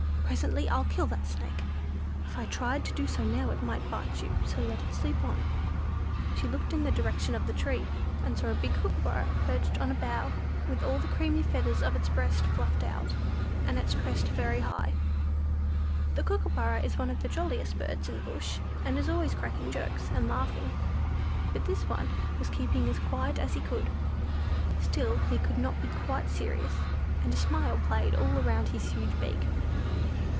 Presently I'll kill that Snake. If I tried to do so now it might bite you; so let it sleep on." She looked up in the direction of the tree, and saw a big Kookooburra perched on a bough, with all the creamy feathers of its breast fluffed out, and its crest very high. The Kookooburra is one of the jolliest birds in the bush, and is always cracking jokes, and laughing, but this one was keeping as quiet as he could. Still he could not be quite serious, and a smile played all round his huge beak.